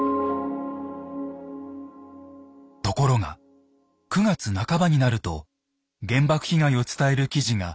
ところが９月半ばになると原爆被害を伝える記事が少なくなります。